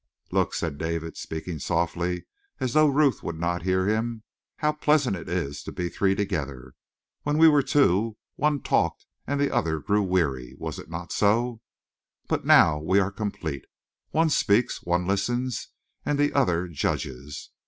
"Look!" said David, speaking softly as though Ruth would not hear him. "How pleasant it is, to be three together. When we were two, one talked and the other grew weary was it not so? But now we are complete. One speaks, one listens, and the other judges.